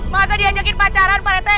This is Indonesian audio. masa diajakin pacaran pak rete